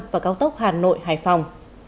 và cao tốc hà nội hải phòng